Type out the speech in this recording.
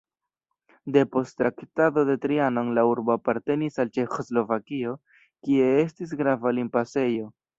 Depost Traktato de Trianon la urbo apartenis al Ĉeĥoslovakio, kie estis grava limpasejo.